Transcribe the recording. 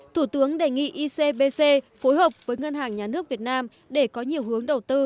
thủ tướng đề nghị icbc phối hợp với ngân hàng nhà nước việt nam để có nhiều hướng đầu tư